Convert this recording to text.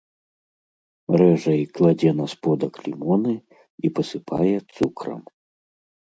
Рэжа і кладзе на сподак лімоны і пасыпае цукрам.